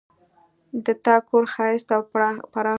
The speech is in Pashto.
د تا کور ښایسته او پراخ ده